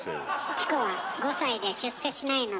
チコは５歳で出世しないので。